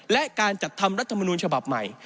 และการจัดทำรัฐมนูลฉบับใหม่